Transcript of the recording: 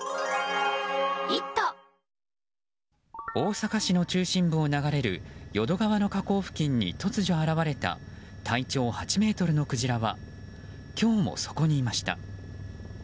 大阪市の中心部を流れる淀川の河口付近に突如現れた、体長８ｍのクジラは今日もそこにいました。